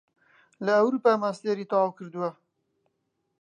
لە ئەوروپا ماستێری تەواو کردووە